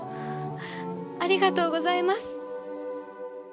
ありがとうございます。